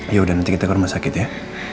ya udah nanti kita ke rumah sakit ya